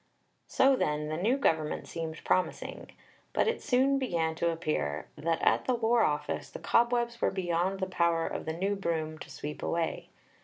So, then, the new Government seemed promising; but it soon began to appear that at the War Office the cobwebs were beyond the power of the new broom to sweep away.